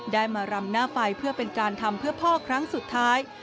ได้มารำหน้าไฟเพื่อเป็นการทำเพื่อพ่อครั้งสุดท้าย